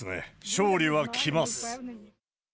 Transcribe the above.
勝利は来ます。